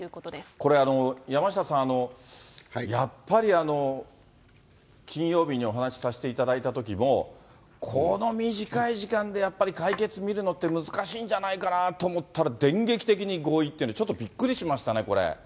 これ、山下さん、やっぱり、金曜日にお話しさせていただいたときも、この短い時間で、やっぱり解決見るのって難しいんじゃないかなと思ったら、電撃的に合意っていうのは、ちょっとびっくりしましたね、これ。